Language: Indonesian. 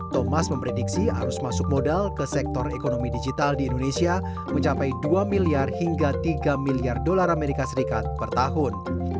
thomas memprediksi arus masuk modal ke sektor ekonomi digital di indonesia mencapai dua miliar hingga tiga miliar dolar amerika serikat per tahun